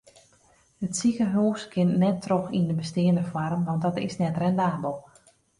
It sikehûs kin net troch yn de besteande foarm want dat is net rendabel.